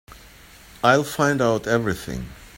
I'll find out everything.